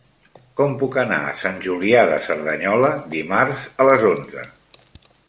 Com puc anar a Sant Julià de Cerdanyola dimarts a les onze?